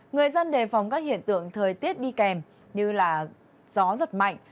người dân đề phòng các hiện tượng thời tiết đi kèm như gió giật mạnh